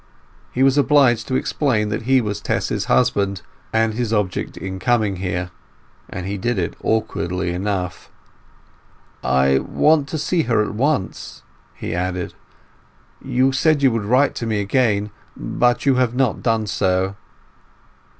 He was obliged to explain that he was Tess's husband, and his object in coming there, and he did it awkwardly enough. "I want to see her at once," he added. "You said you would write to me again, but you have not done so."